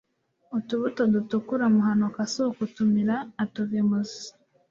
utubuto dutukura muhanuka si ukutumira atuva imuzi